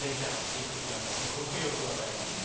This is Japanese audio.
すっごくよく分かりますね。